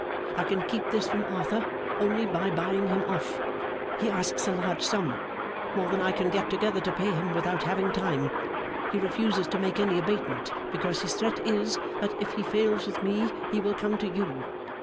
I can keep this from Arthur, only by buying him off. He asks a large sum; more than I can get together to pay him without having time. He refuses to make any abatement, because his threat is, that if he fails with me, he will come to you.